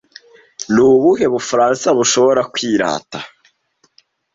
ni ubuhe bufaransa bushobora kwirata